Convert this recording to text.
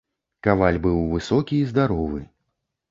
Каваль быў высокі і здаровы.